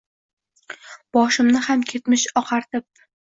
Boshimni ham ketmish oqartib.